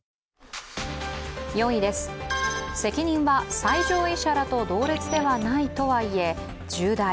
４位です、責任は最上位者らと同列ではないとはいえ、重大。